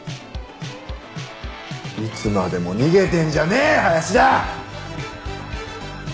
いつまでも逃げてんじゃねえ林田！